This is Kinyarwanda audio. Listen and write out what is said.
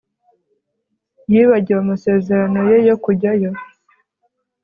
Yibagiwe amasezerano ye yo kujyayo